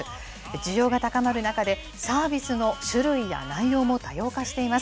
需要が高まる中で、サービスの種類や内容も多様化しています。